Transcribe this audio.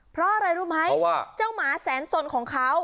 เพราะอะไรรู้ไหมว่าเจ้าหมาแสนสนของเขา